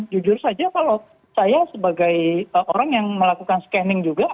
jujur saja kalau saya sebagai orang yang melakukan scanning juga